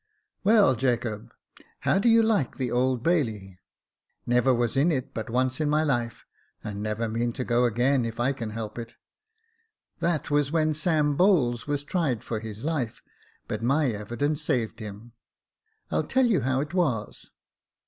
*• Well, Jacob, how do you like the Old Bailey ? Never was in it but once in my life, and never mean to go again if I can help it ; that was when Sam Bowles was tried for his life, but my evidence saved him. I'll tell you how it was.